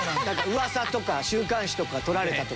噂とか週刊誌とか撮られたとか。